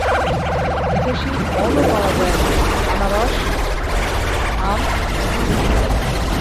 বিদেশী ফলও পাওয়া যায়: আনারস, আম এবং লিচু।